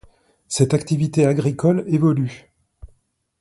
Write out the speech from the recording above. Cette activité agricole évolue.